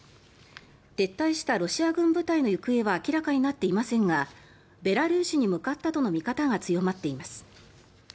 撤退したロシア軍部隊の行方は明らかになっていませんがベラルーシに向かったとの見方が強まっています。